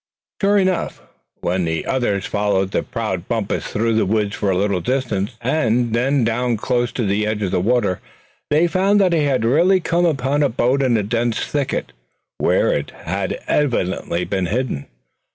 Sure enough, when the others followed the proud Bumpus through the woods for a little distance, and then down close to the edge of the water, they found that he had really come upon a boat in a dense thicket, where it had evidently been hidden.